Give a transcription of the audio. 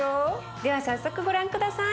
では早速ご覧下さい。